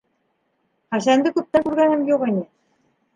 Хәсәнде күптән күргәнем юҡ ине.